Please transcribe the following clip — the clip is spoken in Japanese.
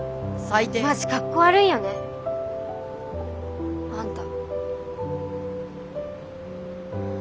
マジかっこ悪いよねあんた。